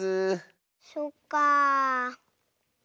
そっかあ。